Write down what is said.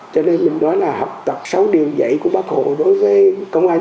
cho nên mình nói là học tập sáu điều dạy của bác hồ đối với công an nhân dân